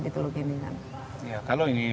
di tulung gimbingan kalau ini